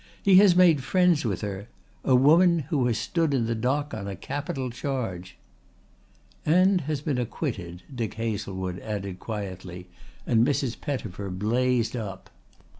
"He has made friends with her a woman who has stood in the dock on a capital charge." "And has been acquitted," Dick Hazlewood added quietly and Mrs. Pettifer blazed up.